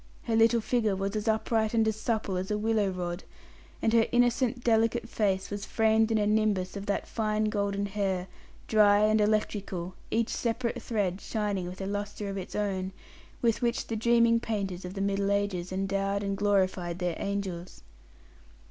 Her little figure was as upright and as supple as a willow rod; and her innocent, delicate face was framed in a nimbus of that fine golden hair dry and electrical, each separate thread shining with a lustre of its own with which the dreaming painters of the middle ages endowed and glorified their angels.